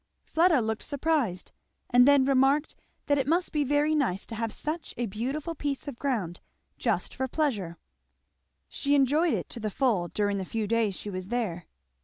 Fleda looked surprised, and then remarked that it must be very nice to have such a beautiful piece of ground just for pleasure. She enjoyed it to the full during the few days she was there.